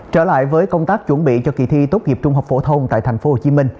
trở lại với công tác chuẩn bị cho kỳ thi tốt nghiệp trung học phổ thông tại tp hcm